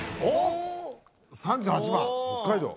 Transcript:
３８番北海道。